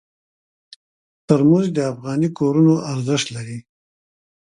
ترموز د افغاني کورونو ارزښت لري.